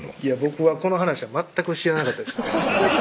いや僕はこの話は全く知らなかったですね